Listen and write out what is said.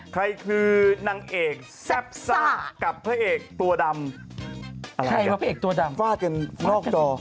ใครคือนางเอกแซ่บซ่ากับพระเอกตัวดำอะไรใครพระเอกตัวดำฟาดกันนอกจอ